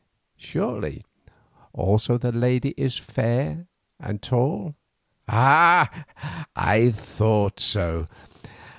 Surely also the lady is fair and tall? Ah! I thought so.